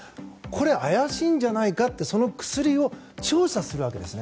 これ、怪しいんじゃないかってその薬を調査するわけです。